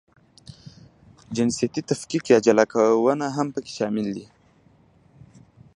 جنسیتي تفکیک یا جلاکونه هم پکې شامل دي.